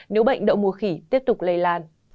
nếu bệnh đậu mùa khỉ tiếp tục lây lan